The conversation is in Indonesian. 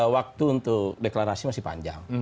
waktu untuk deklarasi masih panjang